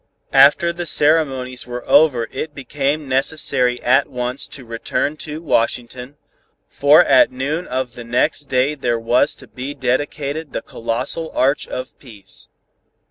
_ After the ceremonies were over it became necessary at once to return to Washington, for at noon of the next day there was to be dedicated the Colossal Arch of Peace.